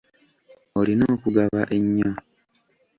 Olina okugaba ennyo.